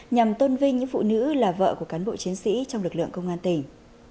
nhằm tôn vinh những phụ nữ là vợ của cán bộ chiến sĩ trong lực lượng công an tỉnh